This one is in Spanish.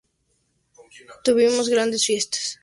Tuvimos grandes fiestas.